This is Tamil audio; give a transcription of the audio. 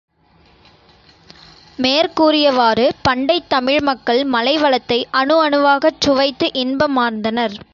மேற்கூறியவாறு, பண்டைத் தமிழ் மக்கள் மலைவளத்தை அணு அணுவாகச் சுவைத்து இன்பமார்ந்தனர்.